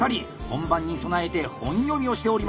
本番に備えて本読みをしております。